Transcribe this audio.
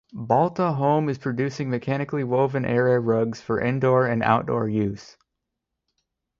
Balta home is producing mechanically woven area rugs for indoor -and outdoor use.